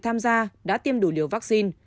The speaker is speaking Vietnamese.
tham gia đã tiêm đủ liều vaccine